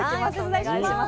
お願いします。